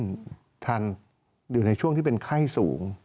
ทันอยู่ในช่วงที่เป็นไข้สูง